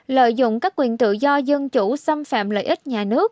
lợi dụng các quyền tự do dân chủ xâm phạm lợi ích nhà nước